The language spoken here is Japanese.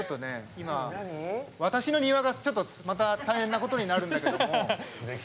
今私の庭がちょっとまた大変なことになるんだけども。